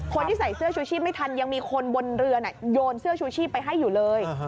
คนที่ใส่เสื้อชูชีพไม่ทันยังมีคนบนเรือโยนเสื้อชูชีพไปให้อยู่เลย